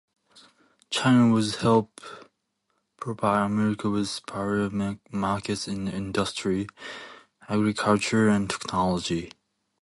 China was to help provide America with superior markets in industry, agriculture, and technology.